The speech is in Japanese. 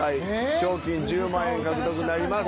賞金１０万円獲得になります。